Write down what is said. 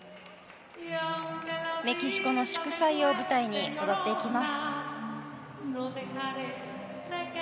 メキシコの祝祭を舞台に踊っていきます。